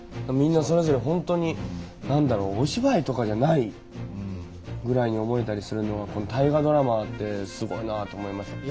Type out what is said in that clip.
みんなそれぞれ本当に何だろうお芝居とかじゃないぐらいに思えたりするのはこの「大河ドラマ」ってすごいなって思います。